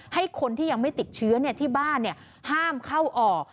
ให้คนที่ยังไม่ติดเชื้อที่บ้านห้ามเข้าออก